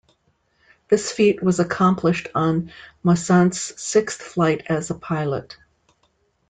This feat was accomplished on Moisant's sixth flight as a pilot.